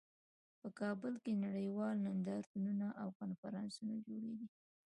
په کابل کې نړیوال نندارتونونه او کنفرانسونه جوړیږي